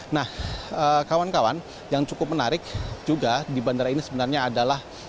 nah kawan kawan yang cukup menarik juga di bandara ini sebenarnya adalah